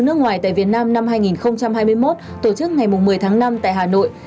nước ngoài tại việt nam năm hai nghìn hai mươi một tổ chức ngày một mươi tháng năm tại hà nội